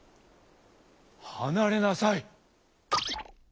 はなれなさい！」。